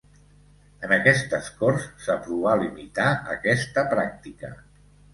En aquestes Corts s'aprovà limitar aquesta pràctica.